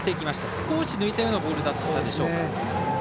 少し抜いたようなボールでしょうか。